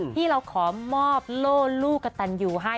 ที่เราขอมอบโล่ลูกกระตันยูให้